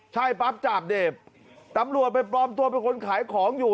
ใช่ปั๊บจาบเดบตำรวจไปปลอมตัวเป็นคนขายของอยู่